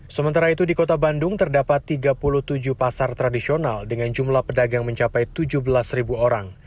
sementara itu di kota bandung terdapat tiga puluh tujuh pasar tradisional dengan jumlah pedagang mencapai tujuh belas orang